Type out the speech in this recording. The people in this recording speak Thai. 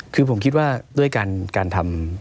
คือผมคิดว่าด้วยการทำ